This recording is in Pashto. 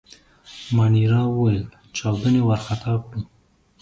مانیرا وویل: چاودنې وارخطا کړو.